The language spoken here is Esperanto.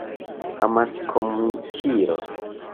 amaskomunikilo